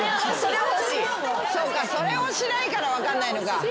そうかそれをしないから分かんないのか。